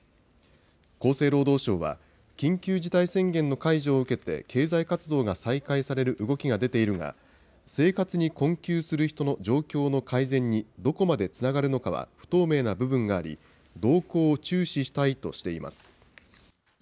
厚生労働省は、緊急事態宣言の解除を受けて、経済活動が再開される動きが出ているが、生活に困窮する人の状況の改善にどこまでつながるのかは不透明な部分があり、動向を注視したいとしています。